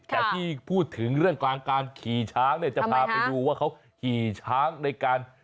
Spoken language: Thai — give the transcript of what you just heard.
แต่ที่พูดถึงเรื่องกลางการขี่ช้างเนี่ยจะพาไปดูว่าเขาขี่ช้างในการ